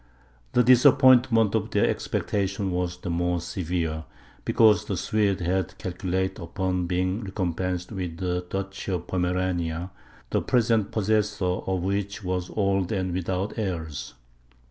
The disappointment of their expectations was the more severe, because the Swedes had calculated upon being recompensed with the Duchy of Pomerania, the present possessor of which was old and without heirs.